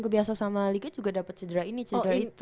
kebiasa sama liga juga dapat cedera ini cedera itu